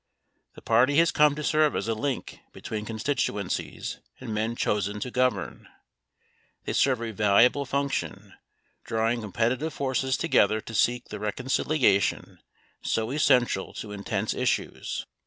The party has come to serve as a link betw T een constituencies and men chosen to govern. They serve a valuable function, drawing com petitive forces together to seek the reconciliation so essential to intense issues.